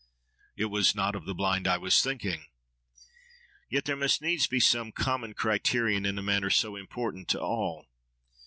—It was not of the blind I was thinking. —Yet there must needs be some common criterion in a matter so important to all.